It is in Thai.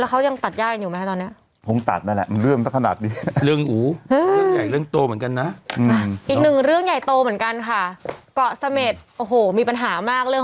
เออสุดท้ายนะ